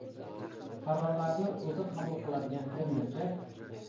Qarorlarni o‘zi qabul qiladigan fermerga.